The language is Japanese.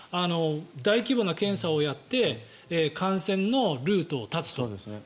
大規模な検査をやって感染のルートを断つと。